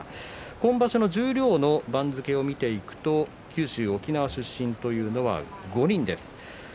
今場所の十両の番付を見てみると九州・沖縄出身というのは５人です。